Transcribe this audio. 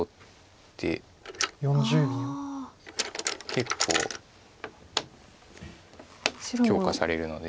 結構強化されるので。